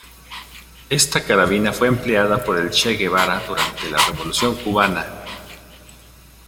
Esta carabina fue empleada por el Che Guevara durante la Revolución Cubana.